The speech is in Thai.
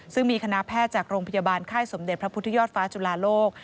ซึ่งมีคณะแพทย์จากโรงพยาบาลค่ายสมเด็จพระพุทธยอดฟ้าจุฬาโลก